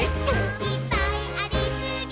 「いっぱいありすぎー！！」